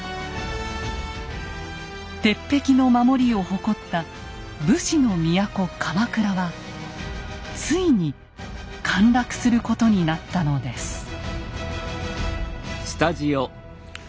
鉄壁の守りを誇った武士の都鎌倉はついに陥落することになったのです。